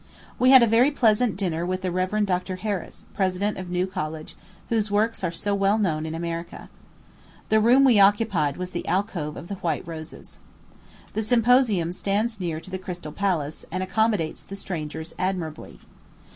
We had a very pleasant dinner with the Rev. Dr. Harris, President of New College, whose works are so well known in America. The room we occupied was "the Alcove of White Roses." The Symposium stands near to the Crystal Palace, and accommodates the strangers admirably.